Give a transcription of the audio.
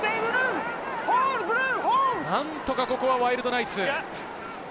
何とか、ここはワイルドナイツ。